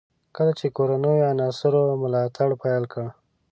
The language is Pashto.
کله چې کورنیو عناصرو ملاتړ پیل کړ.